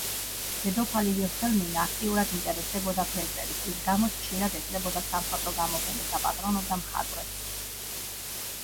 დედოფალი ვილჰელმინა აქტიურად ინტერესდებოდა ფერწერით, რის გამოც ხშირად ესწრებოდა სამხატვრო გამოფენებს და პატრონობდა მხატვრებს.